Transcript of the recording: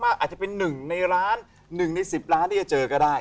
อาจจะเป็น๑ในล้าน๑ใน๑๐ล้านที่จะเจอก็ได้